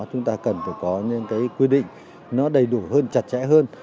chúng ta cần phải có quy định đầy đủ hơn chặt chẽ hơn